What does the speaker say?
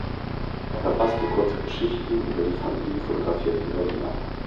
Er verfasste kurze Geschichten über die von ihm fotografierten Berliner.